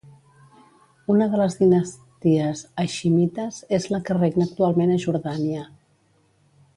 Una de les dinasties haiximites és la que regna actualment a Jordània.